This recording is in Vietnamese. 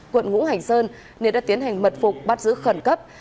quận ngũ hành sơn nên đã tiến hành mật phục bắt giữ khẩn cấp